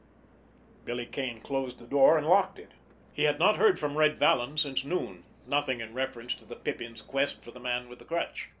Billy Kane closed the door, and locked it. He had not heard from Red Vallon since noon, nothing in reference to the Pippin's quest for the Man with the Crutch.